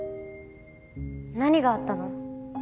何があったの？